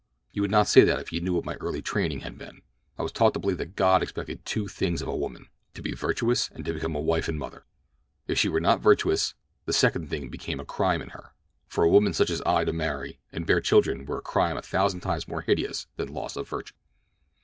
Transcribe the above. "You would not say that if you knew what my early training had been. I was taught to believe that God expected but two things of a woman—to be virtuous, and to become a wife and mother. If she were not virtuous, the second thing became a crime in her—for a woman such as I to marry and bear children were a crime a thousand times more hideous than loss of virtue.